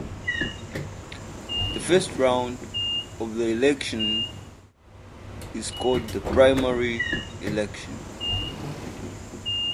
The first round of the election is called the primary election.